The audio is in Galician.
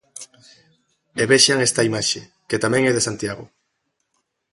E vexan esta imaxe, que tamén é de Santiago.